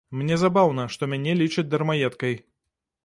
Мне забаўна, што мяне лічаць дармаедкай.